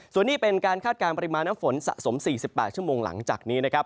ส่วนนี้เป็นการคาดการณปริมาณน้ำฝนสะสม๔๘ชั่วโมงหลังจากนี้นะครับ